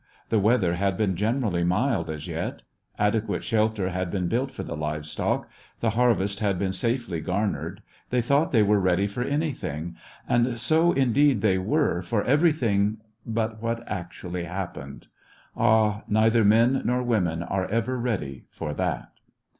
The weather had been generally mild as yet; adequate shelter had been built for the livestock ; the harvest had been safely garnered; they thought they were ready for anything, and so, in deed, they were for everything but what actually happened. Ah, neither men nor women are ever ready for that.